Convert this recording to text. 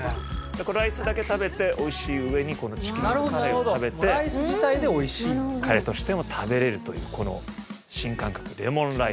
ライスだけ食べておいしい上にこのチキンカレーをかけてカレーとしても食べられるというこの新感覚レモンライス。